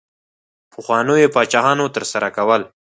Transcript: پخوانیو پاچاهانو ترسره کول.